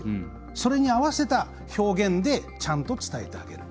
それに合わせた表現でちゃんと伝えてあげる。